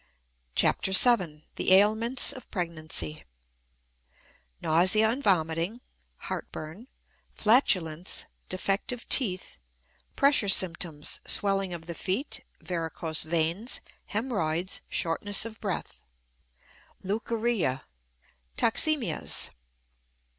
CHAPTER VII THE AILMENTS OF PREGNANCY Nausea and Vomiting Heartburn Flatulence Defective Teeth Pressure Symptoms: Swelling of the Feet; Varicose Veins; Hemorrhoids; Shortness of Breath Leucorrhea Toxemias.